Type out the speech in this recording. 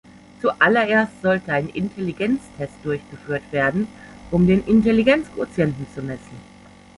Zuallererst sollte ein Intelligenztest durchgeführt werden, um den Intelligenzquotienten zu messen.